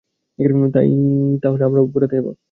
তাই তাহলে আমরাও বেড়াতে যাবো।